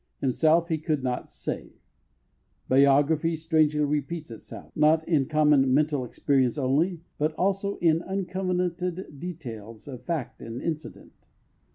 Himself he could not save. Biography strangely repeats itself, not in common mental experience only, but also in uncovenanted details of fact and incident.